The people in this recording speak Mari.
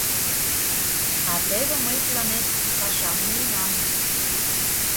А теве мый тыланет пашам муынам.